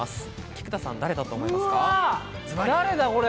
菊田さん、誰だと思いますか？